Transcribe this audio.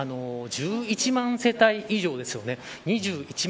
１１万世帯以上ですよね。